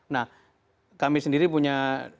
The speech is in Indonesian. nah kami sendiri punya